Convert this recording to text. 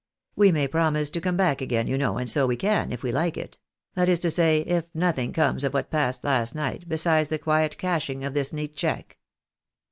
We may promise to come back again, you know, and so we can, if we like it ; that is to say, if nothing comes of what passed last night, besides the quiet cashing of this neat check.